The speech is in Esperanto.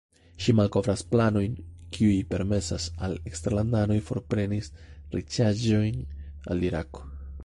Ŝi malkovras planojn, kiuj permesas al eksterlandanoj forprenis riĉaĵojn el Irako.